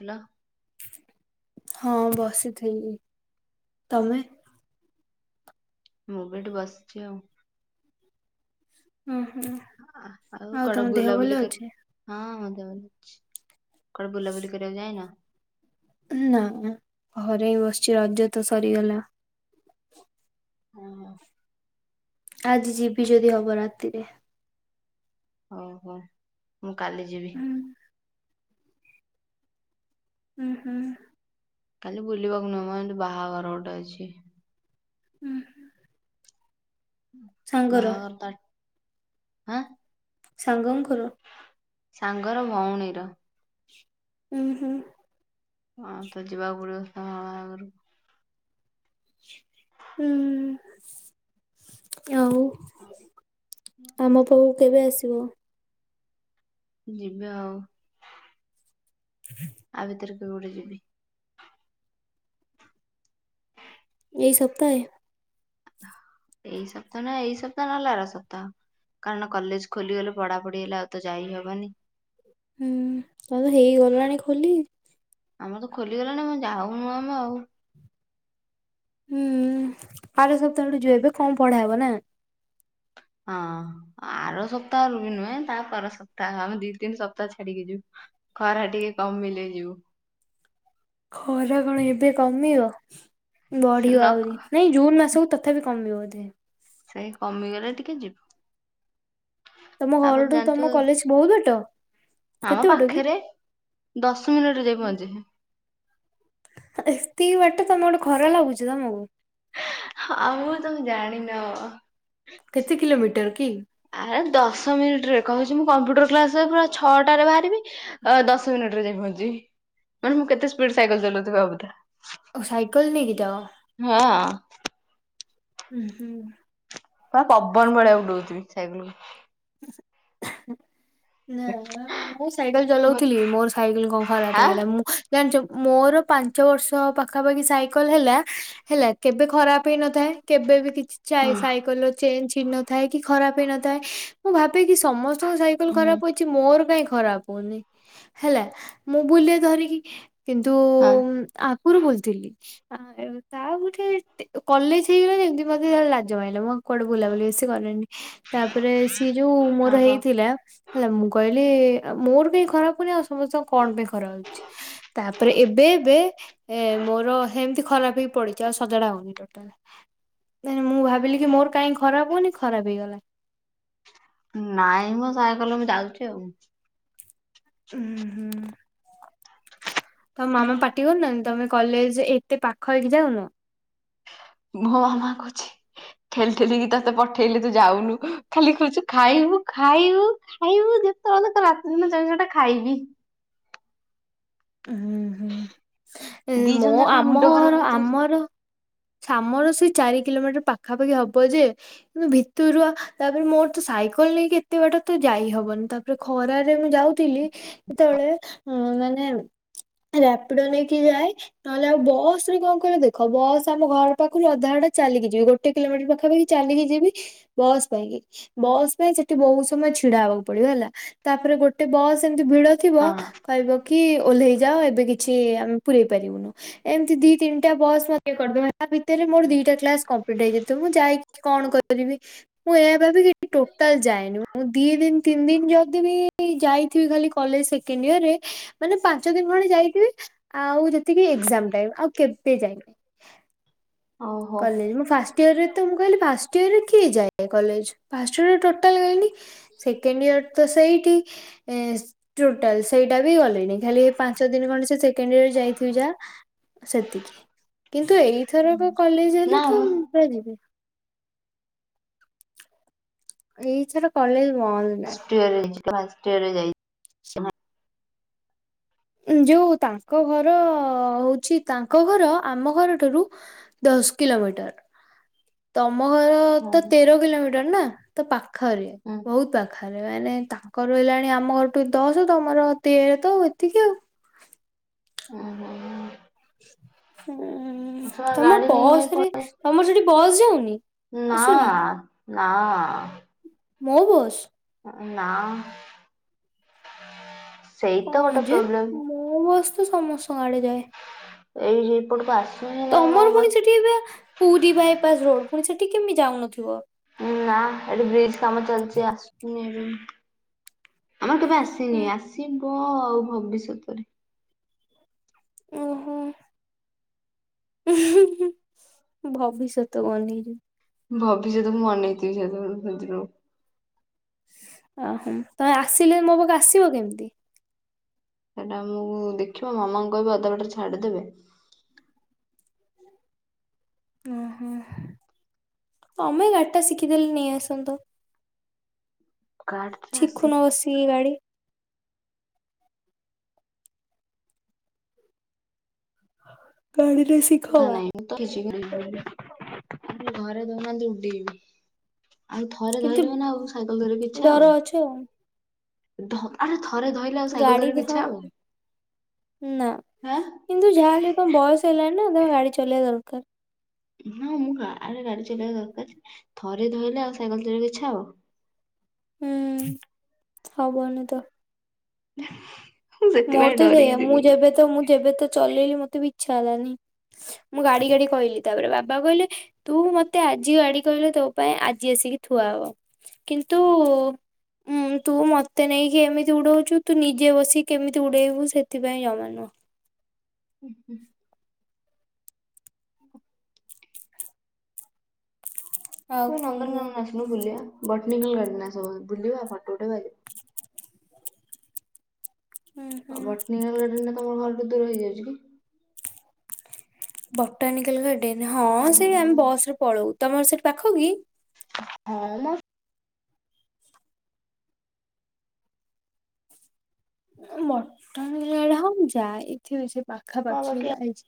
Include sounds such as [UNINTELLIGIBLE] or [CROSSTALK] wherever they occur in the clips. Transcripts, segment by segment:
ଥିଲା, ହଁ ବସି ଥିଲି ତମେ? ମୁଁ ବି ଏଠି ବସିଚି ଆଉ ଓୁଁ ହୁଁ ଆଉ ତମ ଦେହ ଭଲ ଅଛି। ଦେହ ଛି କୁଆଡେ ବୁଲାବୁଲି କରିବାକୁ ଯାଇନ। ନା ନା ଘରେ ହି ବସିଛି ରଜ ତ ସରିଗଲା ହଁ ହଁ ଆଜି ଯିବି ଯଦି ହବ ରାତିରେ। ଓ ହୋ ମୁଁ କାଲି ଯିବି। ହୁଁ ହୁଁ ହୁଁ, କାଲି ବୁଲିବାକୁ ନୁହଁ ମ ବାହାଘର ଗୋଟେ ଅଛି। ହୁଁ ହୁ ବାହାଘର ତ ହଁ ସାଙ୍ଗ ଙ୍କର ସାଙ୍ଗର ଭଉଣୀର, ହୁଁ ହୁଁ, ହଁ ତ ଯିବାକୁ ପଡିବ ତା ଆଗରୁ, ହୁଁ ଆଉ ଆମ ବଉ କେବେ ଆସିବ ଯିବି ଆଉ [UNINTELLIGIBLE] ଆ ଭିତରେ କେବେ ଗୋଟେ ଯିବି। ଏଇ ସପ୍ତାହେ ଏଇ ସପ୍ତାହ ନା ଏଇ ସପ୍ତାହ ନହଲା ର ସପ୍ତାହ କାରଣ କଲେଜ ଖୋଲିଗଲେ ପଢାପଢି ହେଲେ ଆଉ ତ ଯାଇ ହବନି। ହୁଁ ହେଇଗଲାଣି ଖୋଲି। ଆମର ତ ଖୋଲିଗଲାଣି ମୁଁ ଯାଉନୁ ଆମ ଆଉ। ହୁଁ ଆଠ ସପ୍ତାହଠୁ ଯ ଏବେ କମ ପଢା ହବ ନା। ହଁ ଆର ସପ୍ତାହରୁ ବି ନୁହେଁ ତାପ ସପ୍ତାହ ଆମେ ଦି ତିନି ସପ୍ତାହ ଛାଡିକି ଯିବୁ ଖରା ଟିକେ କମିଲେଇ ଯିବୁ। ଖରା କଣ ଏବେ କମିବ। ସେ ନ ବଢିବ ଆହୁରି କ- ନାଇଁ ଜୁନ୍ ମାସକୁ ତଥାପି କମିବ ବୋଧେ। ସେଇ କମିଗଲେ ଟିକେ ଯିବୁ। ତମ ତାପରେ ଘରଠୁ ଜାଣିଥିବ ତମ କଲେଜ ବହୁତ ବାଟ? ଆମ କେତେ ବାଟ କି? ପାଖରେ ଦଶ ମିନିଟ ଯାଇ ପହଞ୍ଚିବେ। ଏତିକି ବାଟେ ତମ ଗୋଟେ ଖରା ଲାଗୁଛି ତମକୁ। ହଁ। କେତେ କିଲୋମିଟର କି। ଆରେ ଦଶ ମିନିଟ ରେ କହୁଛି ମୁଁ କମ୍ପ୍ୟୁଟର କ୍ଲାସରେ ପୁରା ଛଅଟାରେ ବାହାରିବି ଦଶ ମିନିଟ ରେ ଯାଇ ପହଞ୍ଚିବି ମାନେ ମୁଁ କେତେ ସ୍ପିଡ ସାଇକେଲ ଚଲାଉଥିବିଭାବୁଥାଏ। ଓ ସାଇକେଲ ନେକିତା ହଁ ହୁଁ ହୁଁ। ବା ପବନ ଭଳିଆକୁ ଡଉଥିବି ସାଇକେଲକୁ। [INAUDIBLE] ନା ମୁଁ ସାଇକେଲ ମୁଁ ଚଲାଉଥିଲି କହିଲି, ମୋର ସାଇକେଲ କଣ ଖରାପ ଆଁ ହେଇଗଲା ମୁଁ ଜାଣିଛ। ମୋର ପାଞ୍ଚ ବର୍ଷ ପାଖାପାଖି ସାଇକେଲ ହେଲା ହେଲା କେବେ ଖରାପ ହେଇନଥାଏ କେବେ ବି କିଛି ହୁଁ ଯ ସାଇକଲ ଚେଞ୍ଜ କିଣିନଥାଏ କି ଖରାପ ହେଇ ନଥାଏ। ମୁଁ କି ସମସ୍ତଙ୍କ ସାଇକେଲ ହୁଁ ଖରାପ ଅଛି ମୋର କାଇଁ ଖରାପ ହଉନି ହେଲା ମୁଁ ବୁଲିବା ଧରିକି। କିନ୍ତୁ ହଁ ଆଗରୁ ବଲଥିଲି। ଆ ତାଉ ଗୋଟେ କଲେଜ ହେଇଗଲା ଯେମିତି ମତେ ତା ଲାଜ ମ ହେଲା ମୋ କୁଆଡେ ବୁଲାବୁଲି ସେ କରେନି ତାପରେ ସ ଯୋଉ ହଁ ମୋର ହଁ। ହେଇଥିଲା। ହେଲା ମୁଁ କହିଲି ମୋର କାହିଁ ଖରାପ ହଉନି ଆଉ ସମସ୍ତଙ୍କ କଣ ପାଇଁ ଖରାପ ହଉଛି ତାପରେ ଏବେ ଏବେ ମୋର ସେମିତି ଖରାପ ହେଇ ପଡିଛି ଆଉ ସଜଡା ହଉନି ଟୋଟାଲ ମୁଁ ଭାବିଲି କି ମୋର କାହିଁ ଖରାପ ହଉନି ଖରାପ ହେଇଗଲା। ନାଇଁ ମୁଁ ସାଇ କଲ ମୁ ଯାଉଛି ଆଉ। ହୁଁ ହୁଁ। ତ ମାମା ପାଟିିବନ ନା ତମ କଲେଜ ଏତେ ପାଖ ହେଇକି ଯାଉନ। ମୋ ମାମା କହୁଛି ଠେଲି ଠେଲିକି ତତେ ପଠେଇଲେ ତୁ ଯାଉନୁ ଖାଲି କରଛୁ ଖାଇବୁ ଖାଇବୁ ଖାଇବୁ ଯେତେବେଳେ ରାତିିନ ସେଟା ଖାଇବି। ହୁଁ ହୁଁ ଦି ମୋ ଜଣ ଯାକ ଆମ ମୁଣ୍ଡ ଖରାପ ଘର ହଉଥିବ ଆମର ଶାମର ସେ ଚାରି କିଲୋମିଟର ପାଖାପାଖି ହବ ଯେ କିନ୍ତ ଭିତରୁଆ ତାପରେ ମୋର ତ ସାଇକେଲ ନେଇକି କେତେ ବାଟ ତ ଯାଇ ହବନି ତାପରେ ଖର ାରେ ମୁଁ ଯାଉଥିଲି ସେତେବେଳେ ଉ ମାନେ ରାପିଡ ନେଇକି ଯାଏ ନହେଲେ ଆଉ ବସ ରେ କଣ କହିବ ଦେଖ ବସ୍ ଆମ ଘର ପାଖରୁ ଅଧା ଅଟା ଚାଲିକି ଯିବି ଗୋଟେ କିଲୋମିଟର ପାଖାପାଖି ଚାଲିକି ଯିବି ବସ୍ ପାଇଁକି ବସ୍ ପାଇଁ ସେଠି ବହୁତ ସମୟ ଛିଡା ହବାକୁ ପଡିବ ହେଲା ତାପରେ ଗୋଟେ ବସ୍ ଭିଡ ଥିବ ହଁ କହିବ କି କି। ଓହ୍ଲେଇ ଯାଅ ଏବେ କିଛି ଆମେ ପୁରଇ ପାରିବୁନୁ ଏମିତି ଦି ତିନିଟା ବସ୍ ମ କରିଦ ତା ଭିତରେ ମୋର ଦିଟା କ୍ଲାସ୍ କମ ଟାଇଥିବ ମୁଁ ଯାଇକି କଣ କରିବି ମୁଁ ଏ ଭ ବି ଟୋଟାଲ ଯାଏନି ମୁଁ ଦି ଦିନ ତିନି ଦିନ ଯଦି ବି ଯାଇଥିବି ଖାଲି କଲେଜ ସେକେଣ୍ଡ ଇରରେ ମାନେ ପାଞ୍ଚ ଦିନ ଭଣ ଯାଇଥିବେ ଆଉ ଯେତିକି ଏଜାମ ଟାଇମ ଆଉ କେବେ ଯାଇନି ଓହୋ କଲେ ମୁଁ ଫାଷ୍ଟ ଇୟର ରେ ତ ମୁଁ କହିଲି ଫାଷ୍ଟ ଇୟର ରେ କିଏ ଯା ଇଟାଲ ସେକଣ୍ଡ ଇର ତ ସେଇଠି ଟୋଟାଲ ସେଇଟା ବି ଗଲେଣିି ଖାଲି ପାଞ୍ଚ ଦିନ ଖଣ୍ଡ ସେ ସେକେଣ୍ଡ ଇର ଯାଇଥିବ ଯା ସେତିକି କିନ୍ତୁ ଏଇଥରକ କଲେଜ ନା ଯଲେ ତଁ ମୁଁ ପୁରା ଯିବି ଏଇଥର କଲେଜ ମ ଦ ନାଁ ଫାଷ୍ଟ ଇୟର ରେ ଯାଇଛି ଯାଇଛି ଯୋଉ ତାଙ୍କ ଘର ହଉଛି ତାଙ୍କ ଘର ଆମ ଘରଠାରୁ ଦଶ କିଲୋମିଟର ତ ଆମ ଘର ହୁଁ ତ ତେର କିଲୋମିଟର ନା ତ ପାଖ ପାଖରେ ହୁଁ ବହୁତ ପାଖରେ ମାନେ ତାଙ୍କର ହେିଲାଣି ଆମ ଘରଠୁ ଦଶ ତମର ତେର ତ ିକେ ଓ ହୋ ସେ ଉଁ ତମ ଗାଡି ନେଇ ଭାଇ ବସ ରେ ପଳେଇ ତମର ସେଠି ବସ୍ ଯାଉନି ନା ଆସୁନି? ନା ମଁ ବସ୍ ଅ ନା ସେଇତ ତ କଣ ଗୋଟେ ଯେ ପ୍ରୋବ୍ଲେମ୍ ମୋ ବସ୍ ତ ସମସ୍ତଙ୍କ ଆଡେ ଯାଏ ଏଇ ହି ପୁଟ ପା ତମର ପୁଣି ସେଠି ଏ ପୁରୀ ବାଇପାସ ରୋଡ ପୁଣି ସେଠି କେମିତି ଯାଉନଥିବ ନା ଏଠି ବ୍ରିଜ କାମ ଚାଲିଛି ଆସୁନି ହଁ ଆମର କେବେ ଆସିନି ହୁଁ, ଆସି ୱାଓ ଭବିଷ୍ୟତରେ ଓହୋ ଭବିଷ୍ୟତ ବନେଇବି। ଭବିଷ୍ୟତ ମୁଁ ମନେଇଦେବି [UNINTELLIGIBLE] ଅହୋ ତମେ ଆସିଲେ ମୋ ପାଖକୁ ଆସିବ କେମିତି? ସେଟା ମୁଁ ଦେଖିବା ମାମାଙ୍କୁ କହିବି ଅଧାବାଟରେ ଛାଡିଦେବେ। ଓ ହୋ ତମେ ଗାଡ଼ିଟା ଶିଖିଦେଲେ ନେଇ ଆସନ୍ତ। କାର୍ଡଟା ଠିକ୍ ଆସିକି [UNINTELLIGIBLE] ବସି ଗାଡି ଗାଳି କଥା ନାଇଁ ମୁଁ ତ [UNINTELLIGIBLE] ଆ ଘରେ ଦଉନାହାଁନ୍ତି ଉଡିବି ଆଉ ଥରେ କିନ୍ତୁ ଧରିବ ନା ଆଉ ସାଇକେଲ ଧରିବି ଇଛା ଡର ଅଛି ଆଉ ହବ ଧ। ଆରେ ଥରେ ଧଇଲେ ଆଉ ସାଇକେଲ ଗାଡି ଧରିବାକୁ ଦେ ଇଚ୍ଛା ହବ। ନା ଆଁ କିନ୍ତୁ ଯାହା ହେଲେ ବି ତମ ବୟସ ହେଲା ଗାଡ଼ି ଚଲେଇବା ଦରକାର। ହଁ ମୁଁ ଗାଁ ରେ ଗାଡି ଚଲେଇବା ଦରକାର ଥରେ ଧଇଲେ ଆଉ ସାଇକେଲ ଚଲେଇବାକୁ ଇଚ୍ଛା ହବ? ହୁଁ। ହବନି ତ। ମୁଁ ସେଥିପାଇଁ ମୋର ତ ଡରିକି ସେୟା ମୁଁ ଯିବୁନି। ଯେବେ ତ ମୁଁ ଯେବେ ତ। ଚଲେଇଲେ ମତେ ବି ଇଚ୍ଛା ହେଲାନି। ମୁଁ ଗାଡି ଗାଡ଼ି କହିଲି ତାପରେ ବାବା କହିଲେ ତୁ ମତେ ଆଜି ଗାଡି କହିଲେ ତୋ ପାଇଁ ଆଜି ଆସିକି ଥୁଆ ହବ। କିନ୍ତୁ ତୁ ମତେ ନେଇକି ଏମିତି ଉଡଉଛୁ ତୁ ନିଜେ ବସି କେମିତି ଉଡେଇବୁ ସେଥିପାଇଁ ଜମା ନୁହ। ହୁଁ ହୁଁ। ଆଉ ତୁ ନନ୍ଦନ କଣ କାନନ କୁହ ଆସୁନୁ ବୁଲିଆ। ବଟନିକାଲ ଗାର୍ଡେନ ଆସ ବୁଲିଆ ଫଟୋ ଉଠେଇବା। ହଁ। ଆଉ ବଟନିକାଲ ଗାର୍ଡେନ ତମ ଘରଠୁ କେତେ ଦୂର ହେଇଯାଉଛି କି? ବଟାନିକାଲ ଗାର୍ଡ ଡେନ ହଁ ସେ ଆମେ ବସ ରେ ପଳଉ। ତମର ସେଠି ପାଖ କି? ହଁ ମ। ମଟନିକା ଗା ହଁ ମୁଁ ଯାଇଥିବି ସେ ପାଖାପାଖି ଯାଇଛି।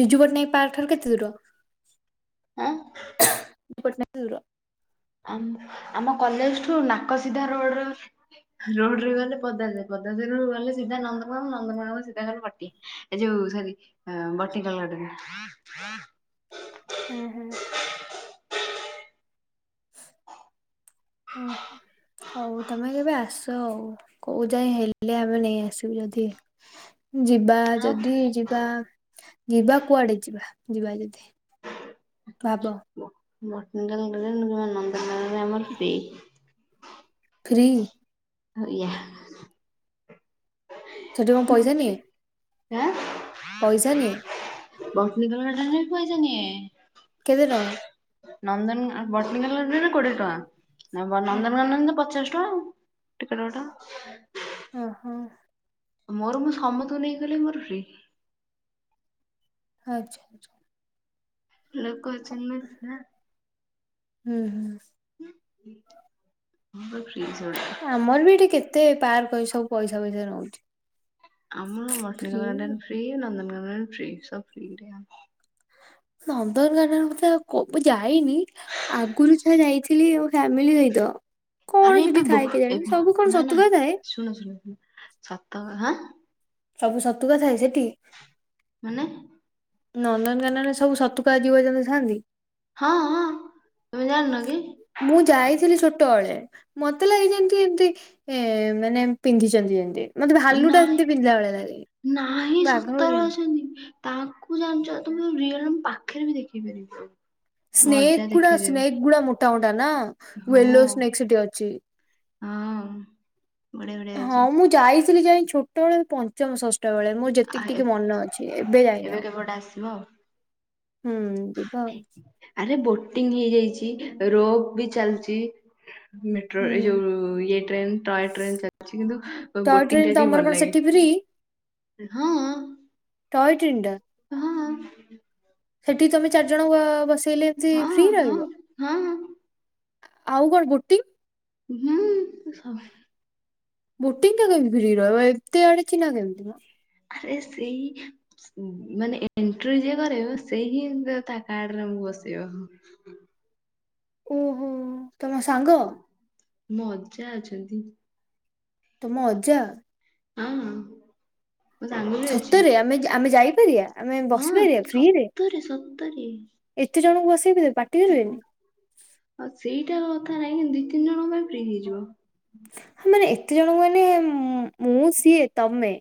ବିଜୁ ପଟ୍ଟନାୟକ ପାର୍କ ଠାରୁ କେତେ ଦୂର। ଆଁ। ବିଜୁ ପଟ୍ଟନାୟକ କେତେ ଦୂର। ଆମ ଆମ କଲେଜଠୁ ନାକ ସିଧା ରୋଡ ରୋଡରେ ଆମ କଲେଜ ରୁ ନାକ ସିଧା ରୋଡ ରେ ଗଲେ ପଦା ରେ ଯାଇ ପଦା ରୁ ଗଲେ ସିଧା ନନ୍ଦନ କାନନ ନନ୍ଦନ କାନନ ରୁ ସିଧା ଗଲେ ବଟି ଏ ଯୋଉ ସରି ଆଁ ବଟନିକାଲ ଗାର୍ଡେନ। ହୁଁ ହୁଁ। ଓ ହଉ ତମେ କେବେ ଆସ ଆଉ କୋଉ ଯାଏ ହେଲେ ଆମେ ନେଇ ଆସିବୁ ଯଦି। ଯିବା ଆଁ ଯଦି ଯିବା। ଯିବା କୁଆଡେ ଯିବା ଯିବା ଯଦି ଭାବ। ବଟଙ୍ଗ ନନ୍ଦ ଆମର ଫ୍ରି ଫ୍ରୀ ା ସେଠି କ' ଣ ପଇସା ନିଏ? ଆଁ ପଇସା ନିଏ ବସ ନିଗ ପଇସାନିଏ। କେଦ ର ନନ୍ଦନ ବଟନିକାଲ ଗାଡ଼ନରେ କୋଡ଼ିଏ ଟଙ୍କା ହଁ ନନ୍ଦନନ୍ଦନ ପଚାଶ ଟିକଟଗୋ ଟା ଓ ହୋ ମୋର ମୁଁ ସମତୁ ନେଇଇଗଲେ ମୋର ଫି ଆଚ୍ଛା ଆଚ୍ଛା, ଲୋକ ଅଛନ୍ତି ନା ହୁଁ ହୁଁ, ହ ଆମର ବି ଏଠି କେତେ ପାର୍କ ଅଛି ସବୁ ପଇସା ଫଇସା ରହୁଛି। ଆମର ମାଡନ ଗଡନ ଫ୍ରି ନନ୍ଦନ ଫ୍ରି ସବୁ ଫ୍ରି, ନନ୍ଦନ କାନନ ଭିତରେ କ ଯା ଯାଇନି ଆଗରୁ ଯା ଯାଇଛି ଥିଲଲି ଫ୍ୟାମିଲ ଆଇତ ଆରେ ଏବେ ବ ଏବେ ନା ନା ସତୁକା ଥାଏ ଶୁଣ ଶୁଣ ଶୁ ସତଁ, ସବୁ ସତୁ କଥାଏ ସେଠି, ମାନେ ନନ୍ଦନକାନନରେ ସବୁ ସତୁକା ଜୀବଜନ୍ତୁ ଥାଆନ୍ତି। ହଁ ହଁ ତମେ ଜାଣିନ କି? ମୁଁ ଯାଇଥିଲି ଛୋଟବେଳେ, ମତେ ଲାଗି ଯେମତି ଏମତି ଏ ମାନେ ପିନ୍ଧିଛନ୍ତି ଯେମତି। ମତେ ଭାଲୁ ଟା ନାଇଁ ଏମିତି ପିନ୍ଧିଲା ଭଳିଆ ଲାଗେି ନାହିଁ ବାଘ ସତରେ ଭରିଆ। ଅଛନ୍ତି ତାଙ୍କୁ ଜାଣିଛ ତମ ରିଅଲ ପାଖରେ ବି ଦେଖି ପାରିବ। ମଜା ସ୍ନେକ ଗୁଡା ଦେଖେଇଦେବେ। ସ୍ସ୍ନେକଗୁଡା ମୋ ଦନ ମୁଁ ୟେଲୋ ହଁ ସ୍ନେକସିଟି ଅଛି ହଁ ବଢିଆ ବଢିଆ ଅଛି। ତିଲି ଯାଇଁ ଛୋଟଏଳେ ପଁ ଚମ ଷଷ୍ଠ ବେଳେ ମୁଁ ଆ ଯେତିକି ଏ ଟିକେ ମନ ଅଛି ଏବେ ଯାଇନି ଆଉ କେବେ ଗୋଟେ ଆସିବ ଆଉ। ହୁଁ ଯିବା ଆଉ। ଟିଂ ହେଇଯାଇଚି ରୋବ୍ ବି ଚାଲଚି। ମେଟ୍ରୋ ହୁଁ ଏ ଯୋଉ ଇଏ ଟେନ ଟୟ ଟ୍ରେନ ଚାଲିଚି କିନ୍ତୁ ଟଏ ଟ୍ରେନ ବୋଟିଂଟା ଟିକେ ତମର କଣ ଭଲ ଲାଗେ। ସେଠି ଫ୍ରି? ହଁ। ଟଏ ଟ୍ରେନଟା ହଁ। ସେଠି ତମେ ଚାରି ଜଣ ୱ ବସି ଇଲେତି ଫ୍ରି ହଁ ହଁ ରହିବ? ହଁ ଆଉ କଣ ଭୋଟିଂ? ହୁଁ। ବୋଟିିଂଟା କେମି ଫ୍ରୀ? ଲୋ ମା ଏତେ ଆଡେ ଚିହ୍ନା କେମିତି ମ? ଆରେ ସେଇ ଉଁ ମାନେ ଏଣ୍ଟ୍ରି ଯିଏ କରେଇବ ସେଇ ହିଁ ତା କାର୍ଡରେ ମୁଁ ବସିବ। ଓହୋ ତମ ସାଙ୍ଗ ମୋ ଅଜା ଅଛନ୍ତି। ହୁଁ। ତମ ଅଜା? ହଁ ମୋ ସାଙ୍ଗ ବି ଅଛି। ସତରେ ଆମେ ଆମେ ଯାଇ ଏରିଆ ଆମେ ହଁ ବସିପାରିବା ଫ୍ରିରେ ସତରେ ସତରେ। ଏତେ ଜଣଙ୍କୁ ବ ସେ ବି ଦେ ଆଉ ସେଇଟା ନାଁ ନାଇଁ ହେନ୍ତି ଦି ତିନି ଜଣଙ୍କ ପାଇଁ ଫ୍ରି ହେଇଯିବ। ମାନେ ଏତେ ଜଣଙ୍କୁ ମାନେ ମୁଁ ସିଏ ତମେ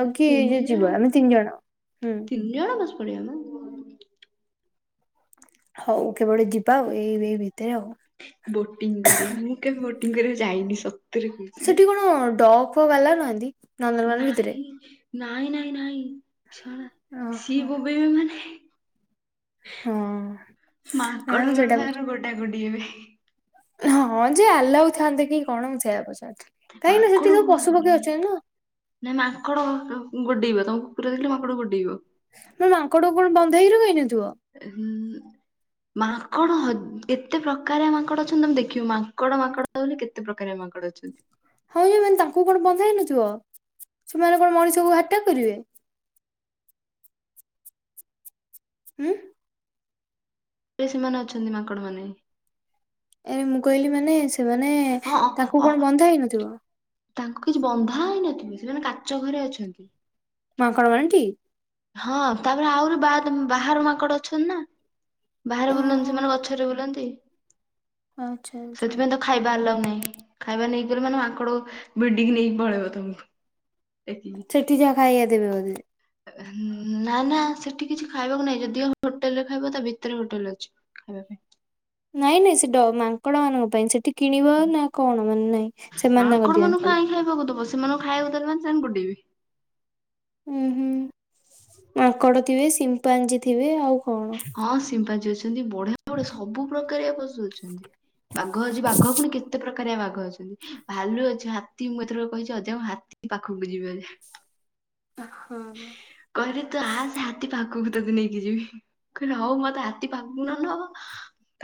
ଆଉ କିଏ ଯଦି ତିନି ଜଣ ଯିବ ଆମେ ତିନି ଜଣ ହୁଁ। ପଡ଼ିବା ମ ଅ ହଉ କେବେ ଓଟେ ଯିବା ଆଉ ଏଇ ଉଏ ଉଏ ବୋଟିଂ କରି ମୁଁ କେ ବୋ ଟିଂ କରି ଯାଇନି ସ ସେଠି କଣ ଡ ପ ବାଲା ନାହାନ୍ତି। ନନ୍ଦନକାନନ ଭିତରେ? ନାହିଁ ନାଇଁ ନହିଁ ନାହିଁ। ସଳା ଓହୋ ସିଏ ବୋବେଇବେ ମାନେ ହଁ ନାଇଁ ମୁଁ ମାଙ୍କଡ଼ର ସେଇଟା ପଚାରୁ ତାର ଗଡା ଗଡି ହେବେ। ହଁ ଯେ ଆଲାଉ ଥାନ୍ତା କି କଣ ମୁଁ ସେଇଆ ପଚାରୁ ମାଙ୍କଡ ଘୁରା ଗଡେଇନି ନା ମାଙ୍କଡ ଗୋଡେଇବ। ତମକୁ ଦେଖିଲେ ମାଙ୍କଡ ଗୋଡେଇବ। ନା ମାଙ୍କଡ କଣ ବନ୍ଧ ହେଇକିରହେନି? ହୁଁ ହୁଁ ମାଆ। ମାଙ୍କଡ ହ କେତେ ପ୍ରକାରିଆ ମାଙ୍କଡ ଅଛନ୍ତି ତମେ ଦେଖିବ ମାଙ୍କଡ ମାଙ୍କଡ ବୋଲି କେତେ ପ୍ରକାରିଆ ମାଙ୍କଡ଼ ଅଛନ୍ତି। ହଁ ଯେ ମାନେ ତାଙ୍କୁ କଣ ବନ୍ଧା ହେଇନଥିବ ସେମାନେ କଣ ମଣିଷକୁ ଆଟାକ୍ କରିବେ? ଉଁ। ଏ ସେମାନେ ମାନେ ଅଛନ୍ତି ମାଙ୍କଡ ମାନେ। ମୁ କହିଲି ମାନେ ସେ ମାନେ ହଁ ଅ- ତାଙ୍କୁ ଅ- କଣ ବନ୍ଧା ହେଇନଥିବ? ତାଙ୍କୁ କିଛି ବନ୍ଧା ହେଇନଥିବେ ସେମାନେ କାଚ ଘରେ ଅଛନ୍ତି। ମାଙ୍କଡ ମାନେ ଟି। ହଁ ତାପରେ ଆହୁରି ବାଦ୍ ବାହାର ମାଙ୍କଡ ଅଛନ୍ତି ନା ବାହାରେ ବୁଲନ୍ତି ସେମାନେ ଓହୋ ଗଛରେ ବୁଲନ୍ତି। ଆଚ୍ଛା ଆଚ୍ଛା ସେଥିପାଇଁ ତ ଖାଇବା ଆଲାଉ‌ ନାହିଁ ଖାଇବା ନେଇ [INAUDIBLE] ମାନେ ମାଙ୍କଡ ଭିଡିକି ନେଇକି ପଳେଇ ତମକୁ। ଟେକିକି ସେଠି ଯାହା ଖାଇବା ଦେବେ ବୋଧେ। ନା ନା ସେଠି କିଛି ଖାଇବାକୁ ନାହିଁ ଯଦିଓ ହୋଟେଲରେ ଖାଇବ ତା ଭିତରେ ହୋଟେଲ ଅଛି ଖାଇବା ପାଇଁ। ନାଇଁ ନାଇଁ ସେ ଡ ମାଙ୍କଡ ମାନଙ୍କ ପାଇଁ ସେଠି। କିଣିବ ନା କଣ ମାନେ ନାଇଁ ସେମାନେ ମାଙ୍କଡ ତାଙ୍କର ମାନଙ୍କୁ ଦିଅନ୍ତି ଖାଇବାକୁ। କାହିଁ ଦବ ସେମାନଙ୍କୁ ଖାଇବାକୁ ଦେଲେ ମାନେ ସେମାନେ ଗୋଡେଇବେ। ହୁଁ ହୁଁ ମାଙ୍କଡ ଥିବେ ସିମ୍ପାଞ୍ଜି ଥିବେ ଆଉ କଣ। ହଁ ସିମ୍ପାଞ୍ଜି ଅଛନ୍ତି ବଢିଆ ବଢିଆ ସବୁ ପ୍ରକାରିଆ ପଶୁ ଅଛନ୍ତି ବାଘ ଅଛି ବାଘ ପୁଣି କେତେ ପ୍ର ପ୍ରକାରିଆ ବାଘ ଅଛନ୍ତି, ଭାଲୁ ଅଛି ହାତୀ ମୁଁ ଏଥର କହିଛି ଅଜାଙ୍କୁ ହାତୀ ପାଖକୁ ଯିବି ଅଜା। ହଁ କହିଲେ ତୁ ଆସେ ହାତୀ ପାଖ କୁ ତତେ ନେଇକି ଯିବି କହିଲି ହଉ ମତେ ହାତୀ ପାଖକୁ ନ ନବ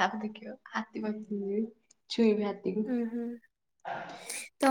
ତାପରେ ଦେଖିବ ହାତୀ ପାଖକୁ ଯିବି। ଛୁଇଁବି ହାତୀକୁ। ଉଁ ହୁଁ ତ